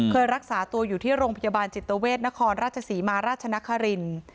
รักษาตัวอยู่ที่โรงพยาบาลจิตเวทนครราชศรีมาราชนครินทร์